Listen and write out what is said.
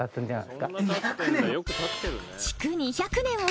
２００年！？